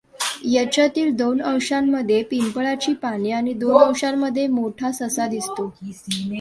याच्यातील दोन अंशांमध्ये पिंपळाची पाने आणि दोन अंशांमध्ये मोठा ससा दिसतो.